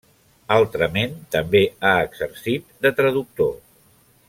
Altrament, també ha exercit de traductor.